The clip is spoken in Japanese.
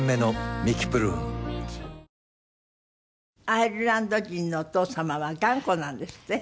アイルランド人のお父様は頑固なんですって？